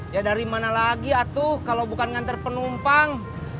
ya dari mana lagi atuh kalau bukan ngantar penumpang